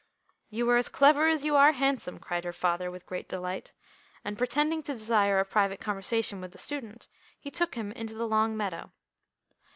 "You are as clever as you are handsome," cried her father with great delight, and pretending to desire a private conversation with the student, he took him into the long meadow.